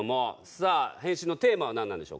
さあ変身のテーマはなんなんでしょうか？